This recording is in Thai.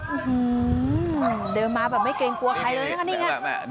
ื้อหือเดินมาแบบไม่เกรงกลัวใครเลยนะคะนี่ไง